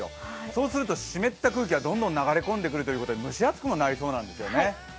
そうすると湿った空気がどんどん流れ込んでくるということで蒸し暑くもなるんですよね。